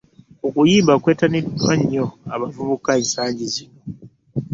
Okuyimba kwetanidwa nyo abavubuka ensangi zino.